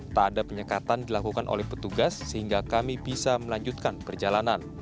tak ada penyekatan dilakukan oleh petugas sehingga kami bisa melanjutkan perjalanan